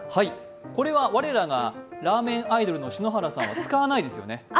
これは我らがラーメンアイドルの篠原さんは使わないですよね。